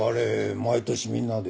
毎年みんなで。